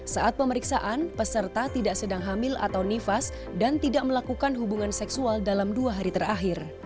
saat pemeriksaan peserta tidak sedang hamil atau nifas dan tidak melakukan hubungan seksual dalam dua hari terakhir